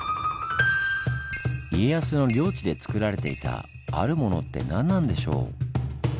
家康の領地でつくられていた「あるモノ」って何なんでしょう？